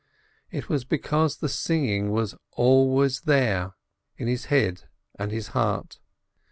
It was because the singing was always there, in his head and his heart.